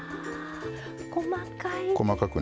あ細かい。